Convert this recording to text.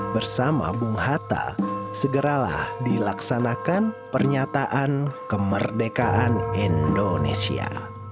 bersama bung hatta segeralah dilaksanakan pernyataan kemerdekaan indonesia